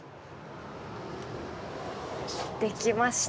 できました。